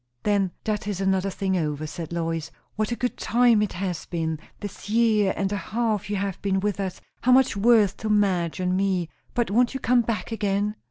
"Then that is another thing over," said Lois. "What a good time it has been, this year and a half you have been with us! how much worth to Madge and me! But won't you come back again?"